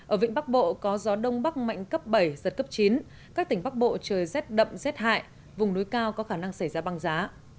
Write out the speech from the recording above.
ở vịnh bắc bộ có gió đông bắc mạnh cấp bảy giật cấp chín các tỉnh bắc bộ trời rét đậm rét hại vùng núi cao có khả năng xảy ra băng giá